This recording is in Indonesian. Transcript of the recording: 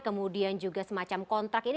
kemudian juga semacam kontrak ini